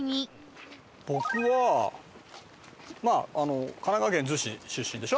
僕はまあ神奈川県子出身でしょ。